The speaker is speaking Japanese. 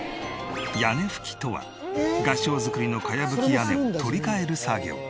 屋根葺とは合掌造りの茅葺き屋根を取り替える作業。